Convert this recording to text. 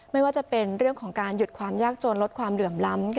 ไม่ว่าจะเป็นเรื่องของการหยุดความยากจนลดความเหลื่อมล้ำ